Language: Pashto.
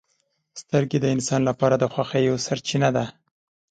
• سترګې د انسان لپاره د خوښیو سرچینه ده.